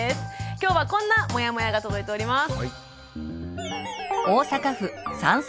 今日はこんなモヤモヤが届いております。